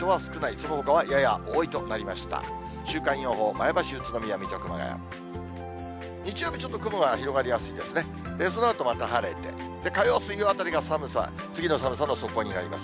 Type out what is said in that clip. そのあとまた晴れて、火曜、水曜あたりが寒さ、次の寒さの底になります。